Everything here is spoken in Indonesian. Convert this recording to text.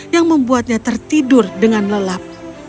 yang membuatnya tertidur dengan lelap